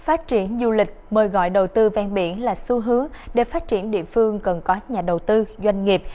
phát triển du lịch mời gọi đầu tư ven biển là xu hướng để phát triển địa phương cần có nhà đầu tư doanh nghiệp